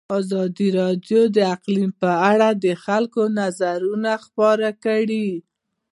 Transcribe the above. ازادي راډیو د اقلیم په اړه د خلکو نظرونه خپاره کړي.